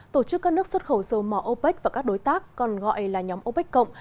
tổ chức các nước xuất khẩu dầu mỏ opec và các đối tác còn gọi là nhóm opec cộng